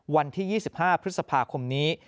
วันที่๒๕พฤษภาคมนี้